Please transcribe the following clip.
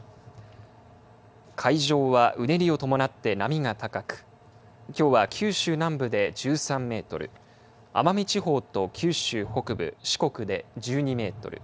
海上はうねりを伴って波が高くきょうは九州南部で１３メートル奄美地方と九州北部四国で１２メートル